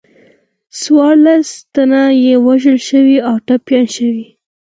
څوارلس تنه یې وژل شوي او ټپیان شوي.